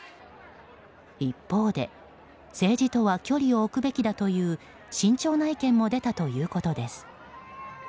一方で、政治とは距離を置くべきだという慎重な意見も出たということです。